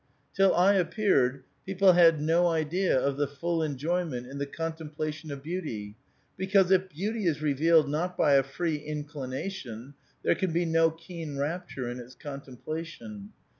Till I appeared, people had no idea of the full enjoyment in the contemplation of beauty, because if beauty is revealed not b}' a free inclination, there can be no keen rapture in its contemplation.